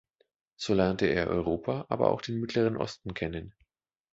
So lernte er Europa, aber auch den Mittleren Osten kennen.